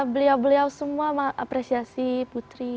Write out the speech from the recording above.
beliau beliau semua mengapresiasi putri